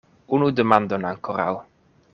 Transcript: Unu demandon ankoraŭ.